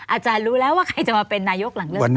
อาจารย์รู้แล้วว่าใครจะมาเป็นนายกหลังเลือกตั้ง